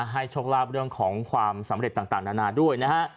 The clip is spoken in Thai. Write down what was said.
โชคลาภเรื่องของความสำเร็จต่างนานาด้วยนะฮะ